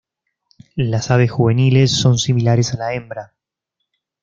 Las aves juveniles son similares a la hembra.